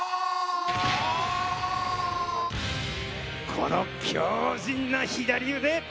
この強じんな左腕！